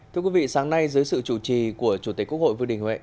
thưa quý vị sáng nay dưới sự chủ trì của chủ tịch quốc hội vương đình huệ